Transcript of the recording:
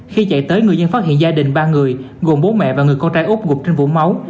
khi chạy tới người dân phát hiện gia đình ba người gồm bố mẹ và người con trai úc gục trên vùng máu